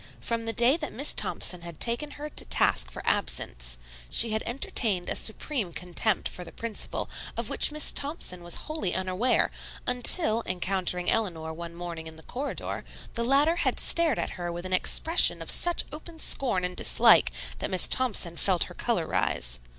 From the day that Miss Thompson had taken her to task for absence, she had entertained a supreme contempt for the principal of which Miss Thompson was wholly unaware until, encountering Eleanor one morning in the corridor, the latter had stared at her with an expression of such open scorn and dislike that Miss Thompson felt her color rise.